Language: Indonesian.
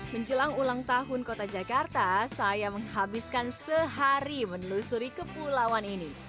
menjelang ulang tahun kota jakarta saya menghabiskan sehari menelusuri kepulauan ini